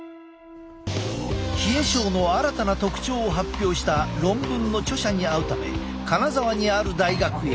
冷え症の新たな特徴を発表した論文の著者に会うため金沢にある大学へ。